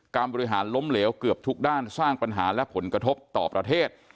การบริหารล้มเหลวเกือบทุกด้านสร้างปัญหาและผลกระทบต่อประเทศ